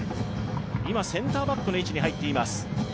今センターバックの位置に入っています。